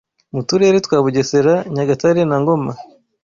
mu turere twa Bugesera, Nyagatare na Ngoma